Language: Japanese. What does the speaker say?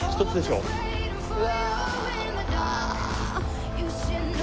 うわ！